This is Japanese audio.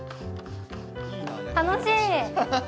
楽しい。